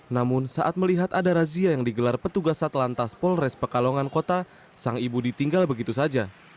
namun saat melihat ada razia yang digelar petugas satlantas polres pekalongan kota sang ibu ditinggal begitu saja